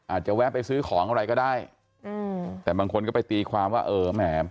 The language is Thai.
อาจจะแวะไปซื้อของอะไรก็ได้อืมแต่บางคนก็ไปตีความว่าเออแหม